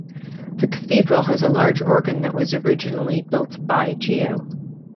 The Cathedral has a large organ that was originally built by Geo.